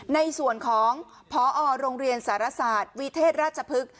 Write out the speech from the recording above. ในส่วนของพอโรงเรียนสารศาสตร์วิเทศราชพฤกษ์